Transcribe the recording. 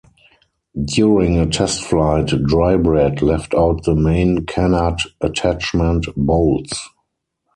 During a test flight Drybread left out the main canard attachment bolts.